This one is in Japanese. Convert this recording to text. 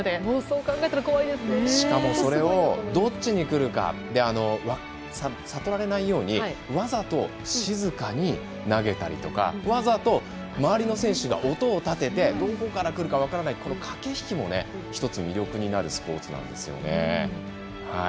しかも、どっちにくるか悟られないようにわざと静かに投げたりとかわざと、周りの選手が音を立ててどこから来るか分からないという駆け引きも１つの魅力になるスポーツなんですよね。